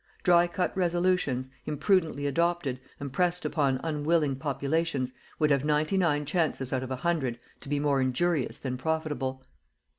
Dry cut resolutions, imprudently adopted, and pressed upon unwilling populations would have ninety nine chances out of a hundred to be more injurious than profitable.